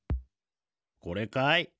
これかい？